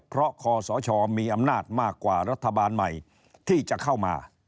เพราะคอสชมีอำนาจมากกว่ารัฐบาลใหม่ที่จะเข้ามา